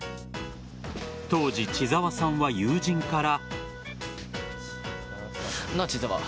当時、千澤さんは友人から。